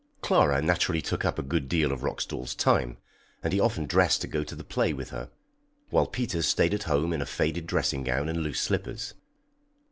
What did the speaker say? ] Clara naturally took up a good deal of Roxdal's time, and he often dressed to go to the play with her, while Peters stayed at home in a faded dressing gown and loose slippers.